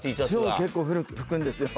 塩が結構ふくんですよ